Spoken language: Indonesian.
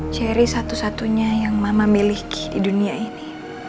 cherry satu satunya yang mama miliki di dunia ini